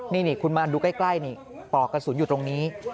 นี่คุณมาดูใกล้นี่ปอกกระสุนอยู่ตรงนี้